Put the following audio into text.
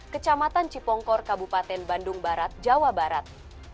kecamatan cipongkor kabupaten bandung barat jawa barat